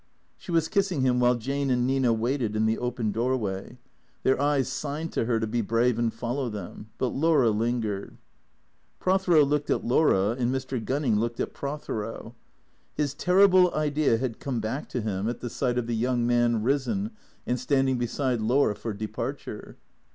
She was kissing him while Jane and Nina waited in the open doorway. Their eyes signed to her to be brave and follow them. But Laura lingered. Prothero looked at Laura, and Mr. Gunning looked at Pro thero. His terrible idea had come back to him at the sight of T H E C K E A T 0 K S 22S the young man, risen, and standing beside Laura for departure.